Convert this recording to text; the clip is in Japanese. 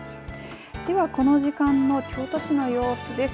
では、この時間の京都市の様子です。